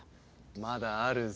まだあるぞ。